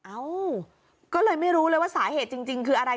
เอ้าก็เลยไม่รู้เลยว่าสาเหตุจริงคืออะไร